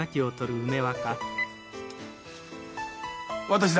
私だ。